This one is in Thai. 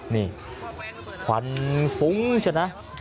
นี่ควันฟุ้งเฉยนะ